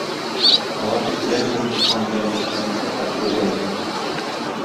Алар бит белә безнең Туфан белән ничек тормыш башлап җибәргәнебезне.